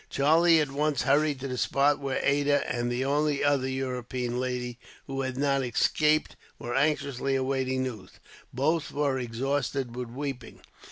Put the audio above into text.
Charlie at once hurried to the spot where Ada, and the only other European lady who had not escaped, were anxiously awaiting news. Both were exhausted with weeping.